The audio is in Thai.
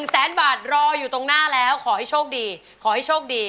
แสนบาทรออยู่ตรงหน้าแล้วขอให้โชคดีขอให้โชคดี